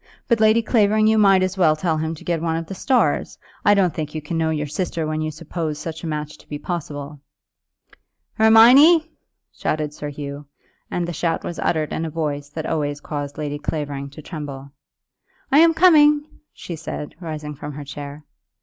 But, Lady Clavering, you might as well tell him to get one of the stars. I don't think you can know your sister when you suppose such a match to be possible." "Hermione!" shouted Sir Hugh, and the shout was uttered in a voice that always caused Lady Clavering to tremble. "I am coming," she said, rising from her chair.